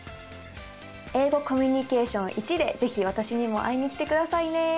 「英語コミュニケーションⅠ」で是非私にも会いに来てくださいね。